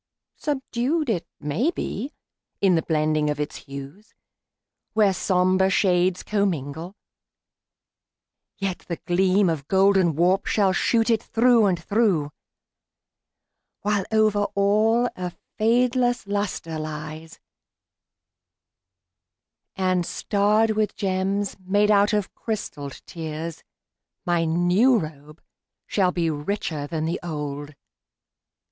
Subdued, It may be, in the blending of its hues, Where somber shades commingle, yet the gleam Of golden warp shall shoot it through and through, While over all a fadeless luster lies, And starred with gems made out of crystalled tears, My new robe shall be richer than the old.